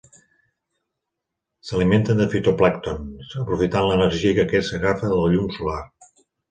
S'alimenten de fitoplàncton, aprofitant l'energia que aquest agafa de la llum solar.